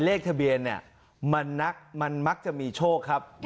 เลขทะเบียนเนี่ยมันมักจะมีโชคครับ